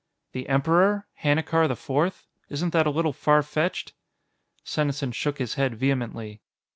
"The Emperor? Hannikar IV? Isn't that a little far fetched?" Senesin shook his head vehemently.